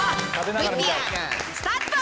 ＶＴＲスタート。